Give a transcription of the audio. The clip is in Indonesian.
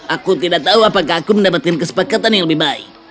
aku tidak tahu apakah aku mendapatkan kesepakatan yang lebih baik